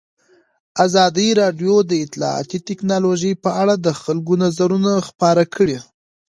ازادي راډیو د اطلاعاتی تکنالوژي په اړه د خلکو نظرونه خپاره کړي.